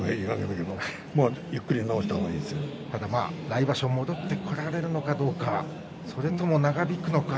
来場所戻ってこられるのかどうかそれとも長引くのか。